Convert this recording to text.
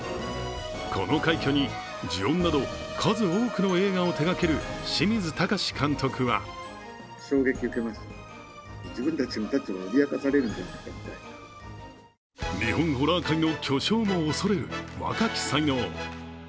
この快挙に「呪怨」など数多くの映画を手がける清水崇監督は日本ホラー界の巨匠も恐れる若き才能。